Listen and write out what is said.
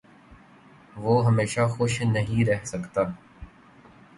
وہ ہمیشہ خوش نہیں رہ سکتا